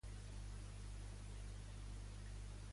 Voldria que apaguessis el meu endoll intel·ligent de l'estudi ara.